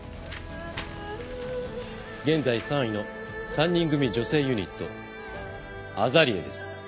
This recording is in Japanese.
現在３位の３人組女性ユニットＡＺＡＬＥＡです。